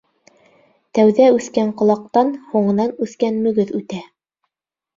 Тәүҙә үҫкән ҡолаҡтан һуңынан үҫкән мөгөҙ үтә.